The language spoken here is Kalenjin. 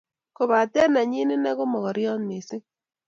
Kopate nenyi, ine ko mokoriot mising